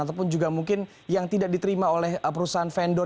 ataupun juga mungkin yang tidak diterima oleh perusahaan vendor